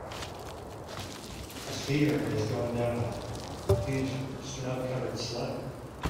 A skier is going down a huge snow covered slope.